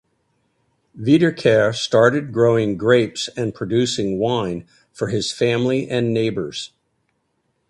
Wiederkehr started growing grapes and producing wine for his family and neighbors.